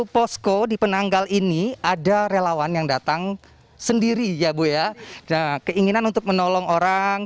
posko di penanggal ini ada relawan yang datang sendiri ya bu ya nah keinginan untuk menolong orang